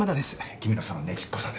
君のそのねちっこさで。